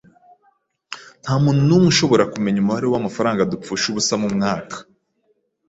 Ntamuntu numwe ushobora kumenya umubare wamafaranga dupfusha ubusa mumwaka.